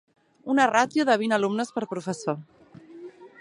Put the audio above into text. Una ràtio de vint alumnes per professor.